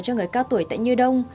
cho người cao tuổi tại như đông